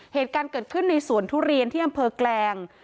เหตุการณ์เกิดขึ้นในสวนทุเรียนที่อำเภอแกลง